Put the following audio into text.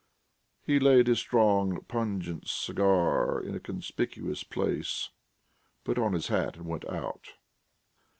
He laid his strong, pungent cigar in a conspicuous place, put on his hat and went out.